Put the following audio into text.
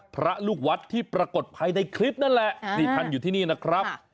พระลูกวัดที่ปรากฏภัยในคลิปนั่นแหละนี่ท่านอยู่ที่นี่นะครับ